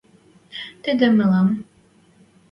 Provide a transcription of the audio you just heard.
тидӹ мӹлӓм